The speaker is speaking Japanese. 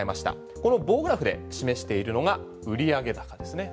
この棒グラフで示しているのが売上高ですね。